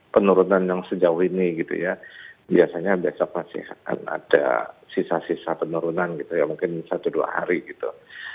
penurunan yang sejauh ini gitu ya biasanya besok pasti akan ada sisa sisa penurunan gitu ya mungkin satu dua hari gitu